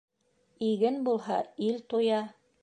Иген булһа, ил туя.